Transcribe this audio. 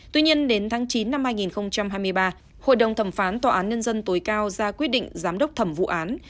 tuy nhiên đến tháng chín năm hai nghìn hai mươi ba hội đồng thẩm phán tòa án nhân dân tối cao ra quyết định giám đốc thẩm vụ án